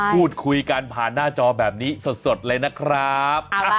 พูดคุยกันผ่านหน้าจอแบบนี้สดเลยนะครับ